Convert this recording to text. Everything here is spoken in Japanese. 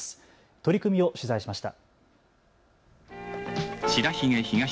取り組みを取材しました。